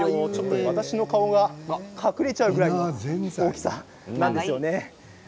私の顔が隠れちゃうぐらいの大きさなんですよね。